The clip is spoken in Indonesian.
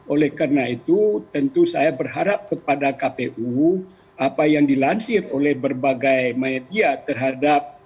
oleh karena itu tentu saya berharap kepada kpu apa yang dilansir oleh berbagai media terhadap